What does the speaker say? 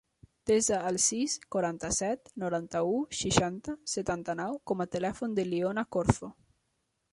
Desa el sis, quaranta-set, noranta-u, seixanta, setanta-nou com a telèfon de l'Iona Corzo.